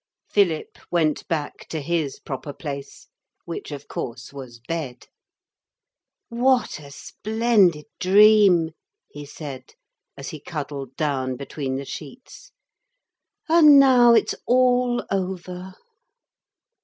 Philip went back to his proper place, which, of course, was bed. 'What a splendid dream,' he said, as he cuddled down between the sheets, 'and now it's all over!'